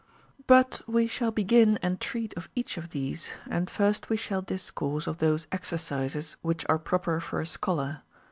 But Ave shall begin and treat of each of these, and first we shall discourse of those exercises which are proper for a scholar.